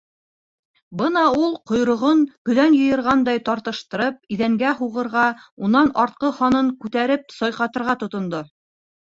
Бына ул ҡойроғон, көҙән йыйырғандай, тартыштырып, иҙәнгә һуғырға, унан артҡы һанын күтәреп сайҡатырға тотондо.